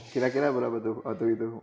kira kira berapa tuh waktu itu